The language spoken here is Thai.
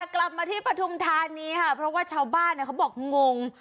กลับมาที่ปฐุมธานีค่ะเพราะว่าชาวบ้านเขาบอกงง